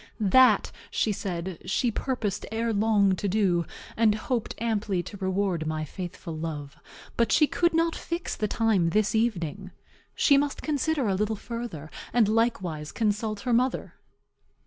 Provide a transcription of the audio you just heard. That, she said, she purposed ere long to do, and hoped amply to reward my faithful love; but she could not fix the time this evening. She must consider a little further, and likewise consult her mother.